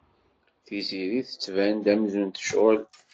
Tiziri tettban-d amzun tecɣel.